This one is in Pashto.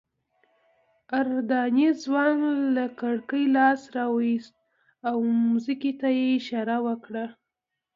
اردني ځوان له کړکۍ لاس راوویست او ځمکې ته یې اشاره وکړه.